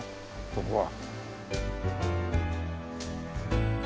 ここは。